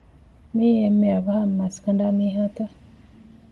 މިއީ އެންމެ އަވަހަށް މަސް ކަނޑާ މީހާތަ؟